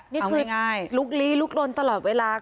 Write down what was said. นี่คือลุกลี้ลุกลนตลอดเวลา